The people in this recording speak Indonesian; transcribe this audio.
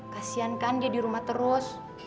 kasian kan dia di rumah terus